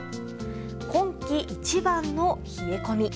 今季一番の冷え込み。